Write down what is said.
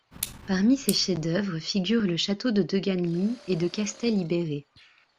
Parmi ses chefs d'œuvre figurent le château de Deganwy et de Castell y Bere.